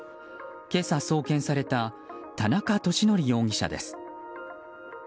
今朝送検された田中利典容疑者です。